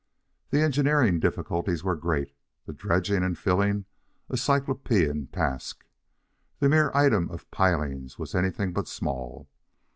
The engineering difficulties were great, the dredging and filling a cyclopean task. The mere item of piling was anything but small.